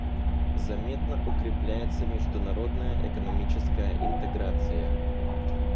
Заметно укрепляется международная экономическая интеграция.